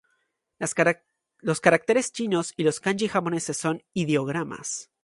Los caracteres chinos y los kanji japoneses son ideogramas.